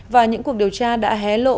và những cuộc điều tra đã hé lộ